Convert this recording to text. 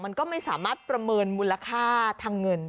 มันก็ไม่สามารถประเมินมูลค่าทางเงิน